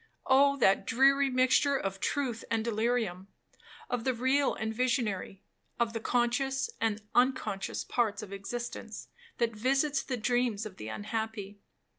Oh that dreary mixture of truth and delirium, of the real and visionary, of the conscious and unconscious parts of existence, that visits the dreams of the unhappy!